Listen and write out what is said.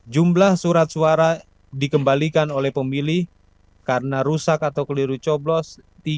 jumlah surat suara dikembalikan oleh pemilih karena rusak atau keliru coblos